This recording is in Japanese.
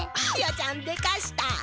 ひよちゃんでかした。